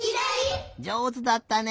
じょうずだったね！